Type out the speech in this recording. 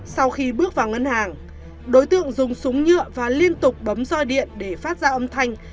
sau khi bước vào ngân hàng đối tượng dùng súng nhựa và liên tục bấm roi điện để phát ra âm thanh